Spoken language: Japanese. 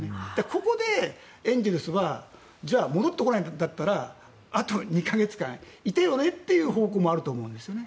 ここでエンゼルスはじゃあ戻ってこないんだったらあと２か月間いてよねという方法もあると思うんですね。